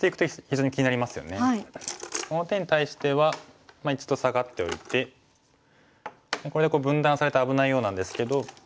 この手に対しては一度サガっておいてこれで分断されて危ないようなんですけど。